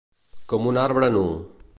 Com un arbre nu.